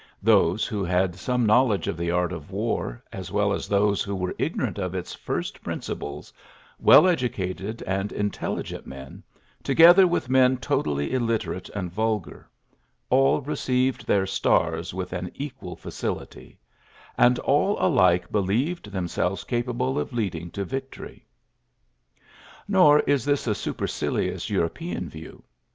Those who had some knowledge of the art of war, as well as those who were ignorant of its first principles, well educated and intelligent men, together with men totally illiterate and vulgar, all received their stars with an equal feu^ility ; and all alike believed themselves capable of leading to vic tory.'^ Nor is this a supercilious Euro pean view.